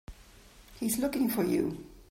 He's looking for you.